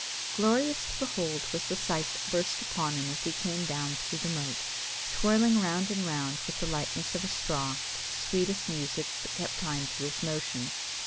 Glorious to behold was the sight that burst upon him as he came down through the moat, twirling round and round, with the lightness of a straw, to the sweetest music that kept time to his motion.